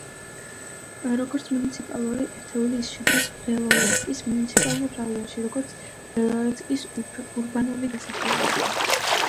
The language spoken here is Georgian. როგორც მუნიციპალური ერთეული ის შედის ბელორეცკის მუნიციპალურ რაიონში, როგორც ბელორეცკის ურბანული დასახლება.